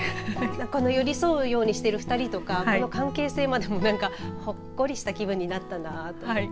この寄り添うようにしている２人とかこの関係性までもほっこりした気分になったなと。